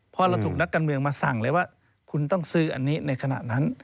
เพราะเราถูกนักการเมืองมาสั่งเลยว่าคุณต้องซื้ออันนี้ในขณะนั้น